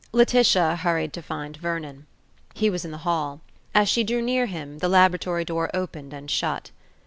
Laetitia hurried to find Vernon. He was in the hall. As she drew near him, the laboratory door opened and shut.